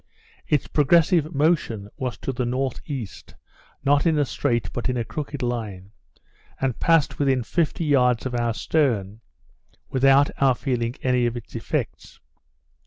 Its progressive motion was to the north east, not in a straight but in a crooked line, and passed within fifty yards of our stern, without our feeling any of its effects.